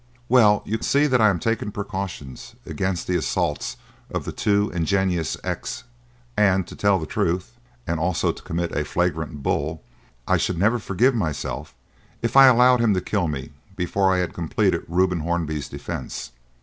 "Well, you see that I am taking precautions against the assaults of the too ingenious X, and, to tell the truth and also to commit a flagrant bull I should never forgive myself if I allowed him to kill me before I had completed Reuben Hornby's defence.